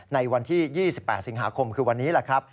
ในวันที่๒๘สิงหาคมคือวันนี้แหละครับ